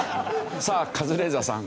さあカズレーザーさん